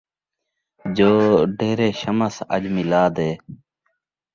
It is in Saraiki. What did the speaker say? جو ڈیرے شمس اج میلاد اے